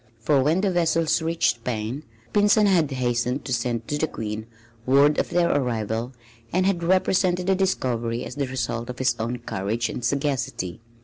For when the vessels reached Spain, Pinzon had hastened to send to the Queen word of their arrival and had represented the discovery as the result of his own courage and sagacity.